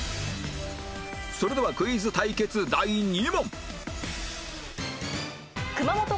それではクイズ対決第２問